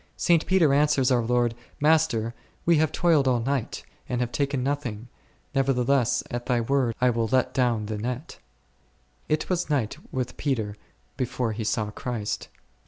St. Peter answers our Lord, Master, we have toiled all the night, and have taken nothing ; nevertheless, at Thy word, I will let down the net. It was night with Peter before he saw Christ.